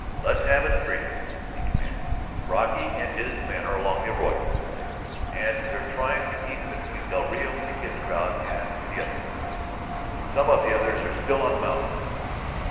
"Let's have it straight, Elmer," he commanded. "Brocky and his men are along the arroyo, you say? And they're trying to keep between del Rio and the Kid's crowd and the other crowd? Some of the others are still on the mountain, then?"